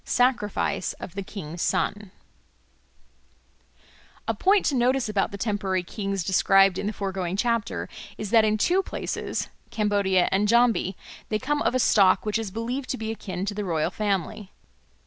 Sacrifice of the King's Son A POINT to notice about the temporary kings described in the foregoing chapter is that in two places (Cambodia and Jambi) they come of a stock which is believed to be akin to the royal family.